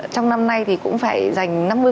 trong năm nay thì cũng phải dành